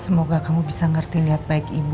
semoga kamu bisa ngerti niat baik ibu